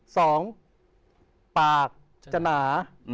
สองปากจะหนา